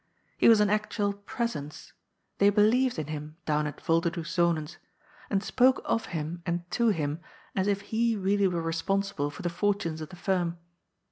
He was an actual Presence ; they believed in him down at " Volderdoes Zonen's," and spoke of him and to him, as if he really were responsible for the fortunes of the firm.